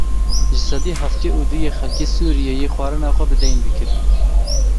Ji sedî heftê û duyê xelkê Sûriyeyê xwarina xwe bi deyn dikirin.